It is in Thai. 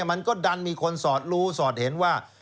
มันก็ดันมีคนสอดรู้สอดเห็นว่า